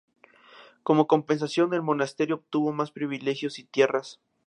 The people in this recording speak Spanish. Como compensación, el monasterio obtuvo más privilegios y tierras.